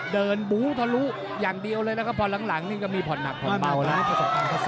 บูทะลุอย่างเดียวเลยนะครับพอหลังนี่ก็มีผ่อนหนักผ่อนเบานะครับ